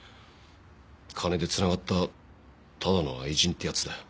金で繋がったただの愛人ってやつだよ。